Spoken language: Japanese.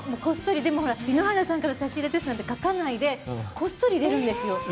でも、井ノ原さんから差し入れですなんて書かないでこっそり入れるんです。